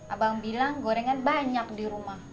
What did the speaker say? abang bilang gorengan banyak di rumah